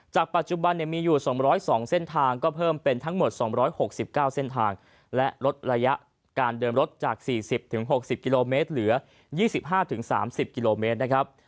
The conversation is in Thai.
ปัจจุบันมีอยู่๒๐๒เส้นทางก็เพิ่มเป็นทั้งหมด๒๖๙เส้นทางและลดระยะการเดินรถจาก๔๐๖๐กิโลเมตรเหลือ๒๕๓๐กิโลเมตรนะครับ